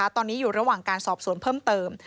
ตอนนี้อยู่ระหว่างการสอบสวนเพิ่มเติม